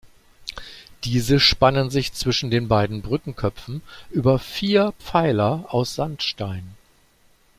Diese spannen sich zwischen den beiden Brückenköpfen über vier Pfeiler aus Sandstein.